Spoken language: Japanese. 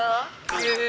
へえ。